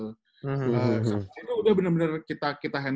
setelah itu udah bener bener kita handle semua dari mereka sendiri